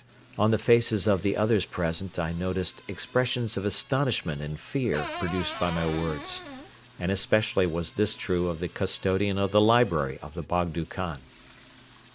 On the faces of the others present I noticed expressions of astonishment and fear produced by my words, and especially was this true of the custodian of the library of the Bogdo Khan.